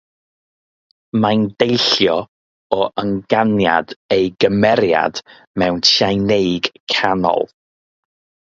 Mae'n deillio o ynganiad ei gymeriad mewn Tsieinëeg Canol.